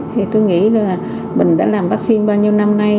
thì tôi nghĩ là mình đã làm vaccine bao nhiêu năm nay